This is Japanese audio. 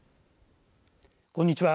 こんにちは。